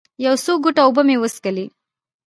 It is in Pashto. یو څو ګوټه اوبه مې وڅښلې.